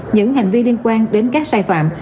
những hành vi liên quan đến các sai phạm